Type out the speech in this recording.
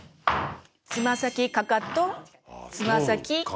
つま先かかとつま先かかと。